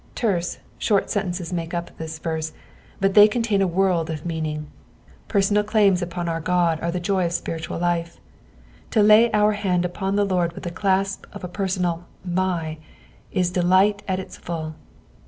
Terse, short sentences make up this verse, but they contain a world of meaning. Tcrsonal claims upon our Ood are the joy of apiritual life. To lay our hand upon the Lord with the clasp of a per sonal " mj" is delight at its full.